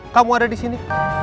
kamu ada disini